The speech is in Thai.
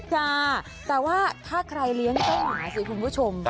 จ้าแต่ว่าถ้าใครเลี้ยงเจ้าหมาสิคุณผู้ชม